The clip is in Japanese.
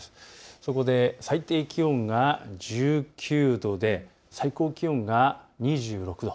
そこで最低気温が１９度で最高気温が２６度。